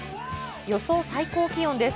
予想最高気温です。